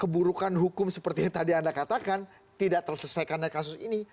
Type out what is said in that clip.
keburukan hukum seperti yang tadi anda katakan tidak terselesaikannya kasus ini